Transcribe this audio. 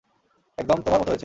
একদম তোমার মতো হয়েছে।